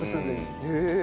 へえ。